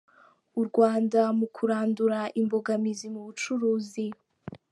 U Rwanda mu kurandura imbogamizi mu bucuruzi